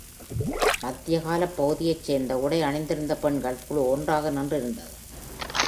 மத்தியகாலப் பகுதியைச் சேர்ந்த உடை அணிந்திருந்த பெண்கள் குழு ஒன்றாக நின்றிருந்தது.